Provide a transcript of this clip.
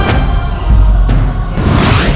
lihat kartu itu susahick